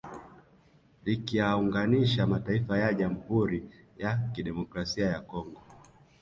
Likiyaunganisha mataifa ya Jamhuri ya Kidemokrasi ya Kongo